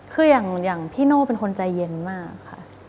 คืออย่างพี่โน่เป็นคนใจเย็นมากค่ะ